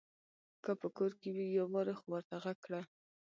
که په کور کې وي يوارې خو ورته غږ کړه !